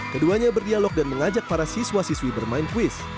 keduanya berdialog dan mengajak para siswa siswi bermain kuis